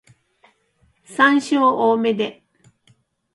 山椒多めで